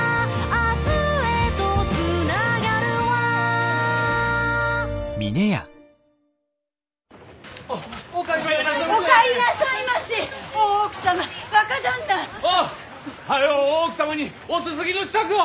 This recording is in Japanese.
早う大奥様におすすぎの支度を！